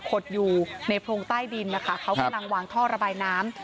ขดอยู่ในโพรงใต้ดินนะคะเขากำลังวางท่อระบายน้ำ